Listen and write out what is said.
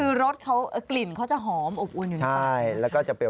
คือรสเขากลิ่นเขาจะหอมอบอุ่นอยู่นะ